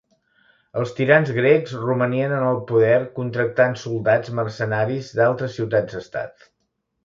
Els tirans grecs romanien en el poder contractant soldats mercenaris d'altres ciutats-estat.